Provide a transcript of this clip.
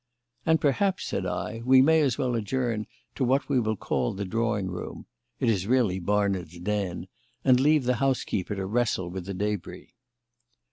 "And perhaps," said I, "we may as well adjourn to what we will call the drawing room it is really Barnard's den and leave the housekeeper to wrestle with the debris."